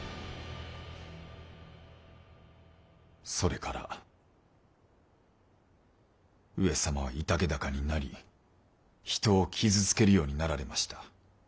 それから上様は居丈高になり人を傷つけるようになられました。